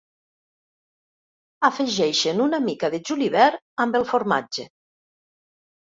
Afegeixen una mica de julivert amb el formatge.